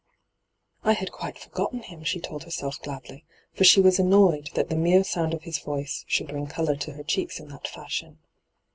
' I had quite forgotten him,' she told herself gladly, for she was annoyed that the mere sound of his voice should bring colour to her cheeks in that &shion.